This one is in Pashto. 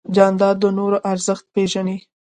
جانداد د نورو ارزښت پېژني.